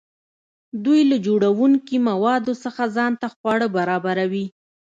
دوی له جوړونکي موادو څخه ځان ته خواړه برابروي.